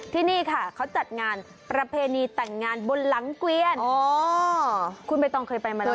ที่นี่เขาจัดงานประเพณีแต่งงานบนหลังเกี้ยนอ้อคุณใบตองไปมาตามไปไง